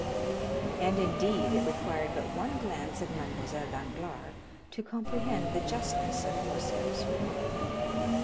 And, indeed, it required but one glance at Mademoiselle Danglars to comprehend the justness of Morcerf's remark.